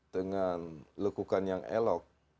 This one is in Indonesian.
dengan lekukan yang elok